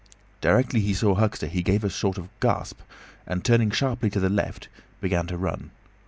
Directly he saw Huxter he gave a sort of gasp, and turning sharply to the left, began to run.